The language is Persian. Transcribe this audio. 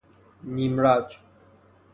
نیم رج